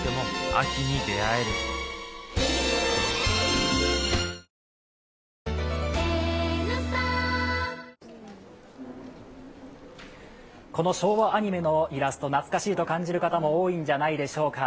メロメロこの昭和アニメのイラスト、懐かしいと感じる方も多いんじゃないでしょうか。